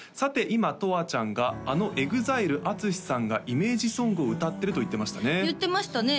今とわちゃんが「あのＥＸＩＬＥＡＴＳＵＳＨＩさんが」「イメージソングを歌ってる」と言ってましたね言ってましたね